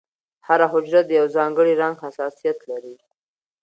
هره حجره د یو ځانګړي رنګ حساسیت لري.